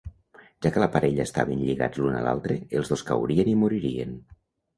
Ja que la parella estaven lligats l'un a l'altre, els dos caurien i moririen.